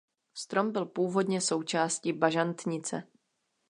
Strom byl původně součástí bažantnice.